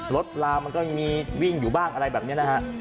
รถรามันก็มีวิ่งอยู่บ้างอะไรแบบเนี้ยนะฮะ